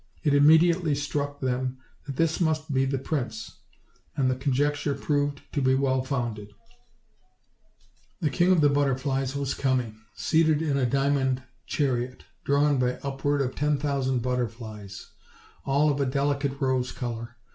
It immediately struck them that this must be the prince; and the conjecture proved to be well founded; the King of the Butterflies was coming, seated in a diamond chariot, drawn by up ward of ten thousand butterflies, all of a delicate rose color.